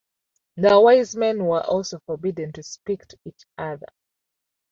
The wise men were also forbidden to speak to each other.